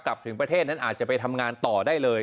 กลับถึงประเทศนั้นอาจจะไปทำงานต่อได้เลย